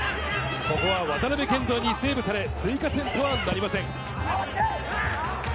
ここは渡部堅蔵にセーブされ追加点とはなりません。